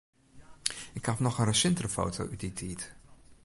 Ik haw noch in resintere foto út dy tiid.